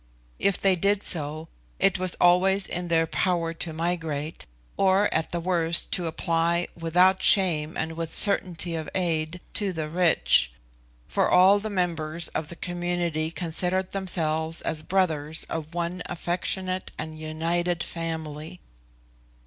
If they did so, it was always in their power to migrate, or at the worst to apply, without shame and with certainty of aid, to the rich, for all the members of the community considered themselves as brothers of one affectionate and united family.